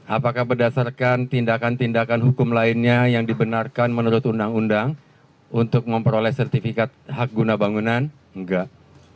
apakah berdasarkan tindakan tindakan hukum lainnya yang dibenarkan menurut undang undang untuk memperoleh sertifikat hak guna bangunan enggak